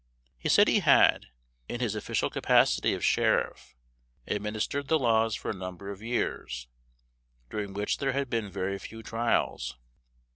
He said he had, in his official capacity of sheriff, administered the laws for a number of years, during which there had been very few trials.